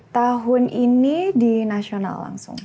tahun ini di nasional langsung